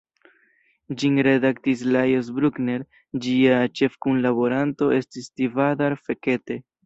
Ĝin redaktis Lajos Bruckner, ĝia ĉefkunlaboranto estis Tivadar Fekete.